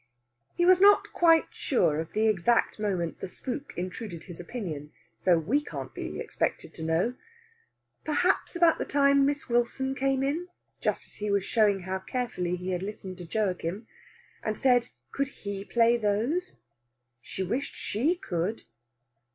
He was not quite sure of the exact moment the spook intruded his opinion, so we can't be expected to know. Perhaps about the time Miss Wilson came in (just as he was showing how carefully he had listened to Joachim) and said could he play those? She wished she could.